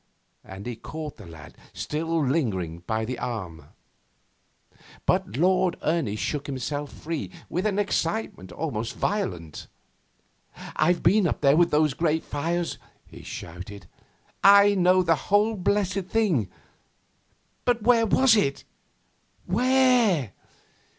And he caught the lad, still lingering, by the arm. But Lord Ernie shook himself free with an excitement almost violent. 'I've been up there with those great fires,' he shouted. 'I know the whole blessed thing. But where was it? Where?